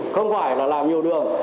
không phải là làm nhiều đường